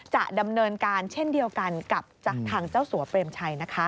จะดำเนินการเช่นเดียวกันกับทางเจ้าสัวเปรมชัยนะคะ